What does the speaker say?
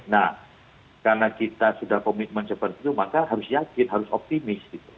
nah karena kita sudah komitmen seperti itu maka harus yakin harus optimis